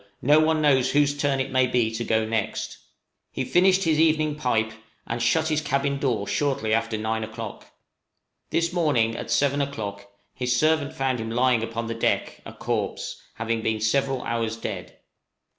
no one knows whose turn it may be to go next." He finished his evening pipe, and shut his cabin door shortly after nine o'clock. This morning, at seven o'clock, his servant found him lying upon the deck, a corpse, having been several hours dead.